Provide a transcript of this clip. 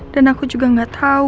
dan aku juga gak tau